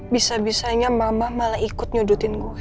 bisa bisanya mama malah ikut nyudutin gue